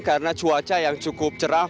karena cuaca yang cukup cerah